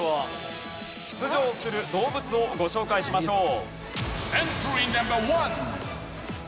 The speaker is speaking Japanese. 出場する動物をご紹介しましょう。